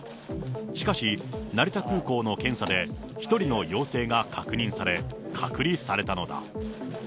しかし、成田空港の検査で、１人の陽性が確認され、隔離されたのだ。